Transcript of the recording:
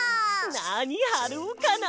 なにはろうかな。